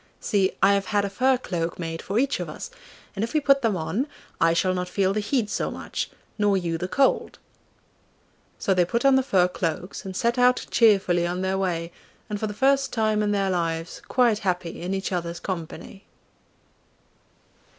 See, I have had a fur cloak made for each of us, and if we put them on I shall not feel the heat so much nor you the cold.' So they put on the fur cloaks, and set out cheerfully on their way, and for the first time in their lives quite happy in each other's company.